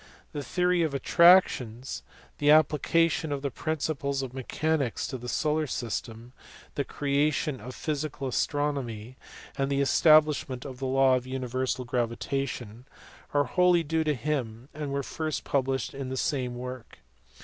The theory of attractions, the application of the principles of mechanics to the solar system, the creation of physical astronomy, and the establishment of the law of universal gravitation are wholly due to him and were first published in the same work.